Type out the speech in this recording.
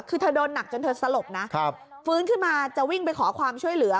คือเธอโดนหนักจนเธอสลบนะฟื้นขึ้นมาจะวิ่งไปขอความช่วยเหลือ